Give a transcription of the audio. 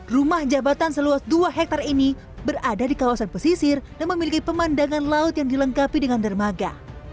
rumah jabatan seluas dua hektare ini berada di kawasan pesisir dan memiliki pemandangan laut yang dilengkapi dengan dermaga